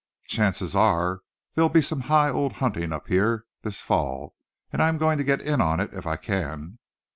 Chances are there'll be some high old hunting around up here this Fall; and I'm going to get in on it if I can."